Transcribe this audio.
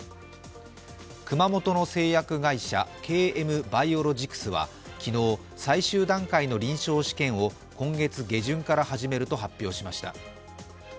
熊本の製薬会社ＫＭバイオロジクスは昨日、最終段階の臨床試験を今月下旬から始めると発表しました。